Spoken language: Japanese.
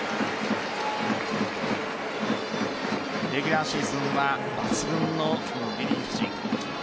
レギュラーシーズンは抜群のリリーフ陣。